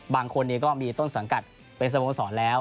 บางคนก็มีต้นสังกัดเป็นสโมสรแล้ว